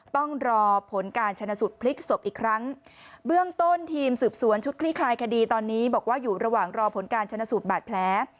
ต้องรอผลการชนะสูตรพลิกศพอีกครั้งเบื้องต้นทีมสืบสวนชุดคลี่คลายคดีตอนนี้บอกว่าอยู่ระหว่างรอผลการชนะสูตรบาดแผล